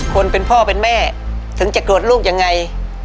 คนเป็นพ่อเป็นแม่ถึงจะโกรธลูกยังไง